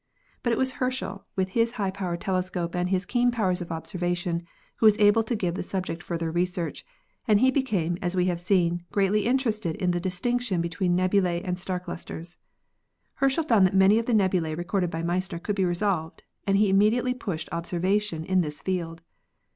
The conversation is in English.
But it was Herschel, with his high power telescope and his keen powers of observation, who was able to give the sub ject further research, and he became, as we have seen, greatly interested in the distinction btween nebulae and star clusters. Herschel found that many of the nebulae recorded by Messier could be resolved and he immediately pushed observation in this field.